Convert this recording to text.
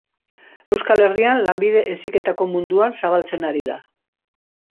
Euskal Herrian Lanbide Heziketako munduan zabaltzen ari da.